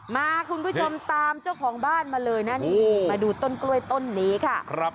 มาคุณผู้ชมตามเจ้าของบ้านมาเลยนะนี่มาดูต้นกล้วยต้นนี้ค่ะ